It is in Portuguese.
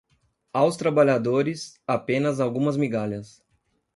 Aos trabalhadores, apenas algumas migalhas